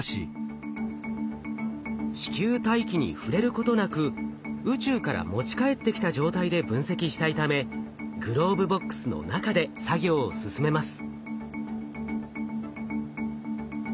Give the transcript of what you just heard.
地球大気に触れることなく宇宙から持ち帰ってきた状態で分析したいためグローブボックスの中で作業を進めます。